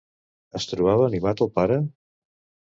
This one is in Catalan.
Es trobava animat el pare?